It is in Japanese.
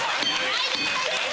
ないです！